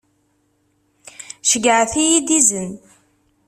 Ceyyɛet-iyi-d izen.